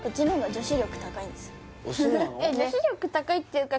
女子力高いっていうか